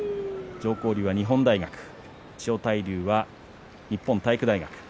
常幸龍は日本大学千代大龍は日本体育大学。